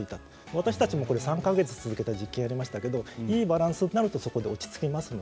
私たちも３か月続けた実験がありましたがいいバランスになるとそこで落ち着くんです。